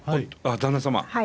旦那様。